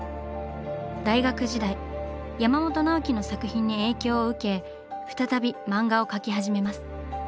大学時代山本直樹の作品に影響を受け再び漫画を描き始めます。